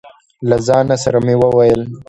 له ځانه سره مې وويل: